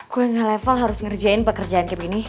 gue tidak level harus ngerjain pekerjaan seperti ini